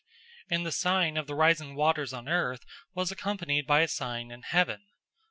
And the sign of the rising waters on earth was accompanied by a sign in heaven.